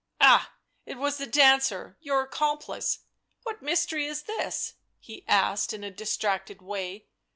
— Ah, it was the dancer, your accomplice. ... What mystery is this ?" he asked in a distracted way.